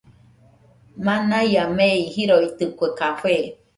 Manaɨa mei jiroitɨkue café